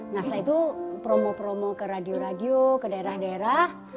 nah saya itu promo promo ke radio radio ke daerah daerah